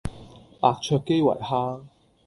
白灼基圍蝦